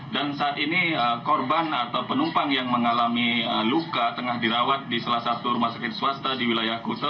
dan saat ini korban atau penumpang yang mengalami luka tengah dirawat di salah satu rumah sakit swasta di wilayah kutel